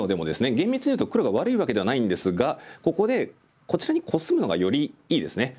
厳密にいうと黒が悪いわけではないんですがここでこちらにコスむのがよりいいですね。